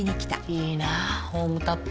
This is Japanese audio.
いいなホームタップ。